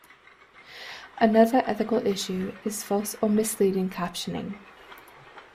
Another ethical issue is false or misleading captioning.